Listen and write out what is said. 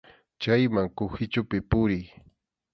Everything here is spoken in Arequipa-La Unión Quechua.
Chayman kuhichupi puriy.